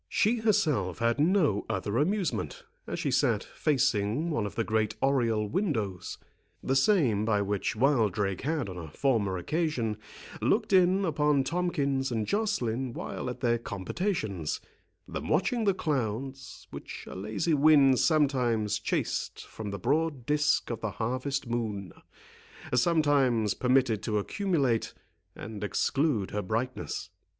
She herself had no other amusement, as she sat facing one of the great oriel windows, the same by which Wildrake had on a former occasion looked in upon Tomkins and Joceline while at their compotations, than watching the clouds, which a lazy wind sometimes chased from the broad disk of the harvest moon, sometimes permitted to accumulate, and exclude her brightness.